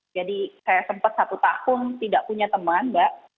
jadi saya sempat satu tahun tidak punya teman mbak